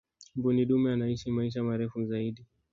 mbuni dume anaishi maisha marefu zaidi